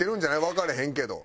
わかれへんけど。